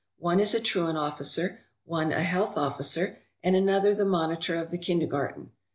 One is a truant officer, one a health officer, and another the monitor of the kindergarten.